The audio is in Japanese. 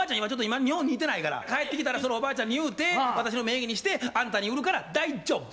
今ちょっと日本にいてないから帰ってきたらそのおばあちゃんに言うて私の名義にしてあんたに売るから大丈夫。